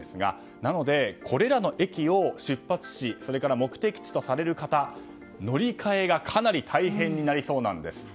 なので、これらの駅を出発しそれから目的地とされる方は乗り換えがかなり大変になりそうなんです。